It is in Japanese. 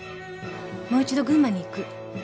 もう一度群馬に行く。